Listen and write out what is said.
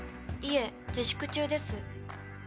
いえ自粛中です。